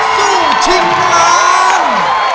นักสู้ชิงร้าง